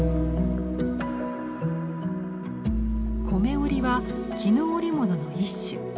織は絹織物の一種。